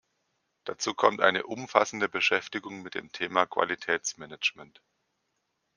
Dazu kommt eine umfassende Beschäftigung mit dem Thema Qualitätsmanagement.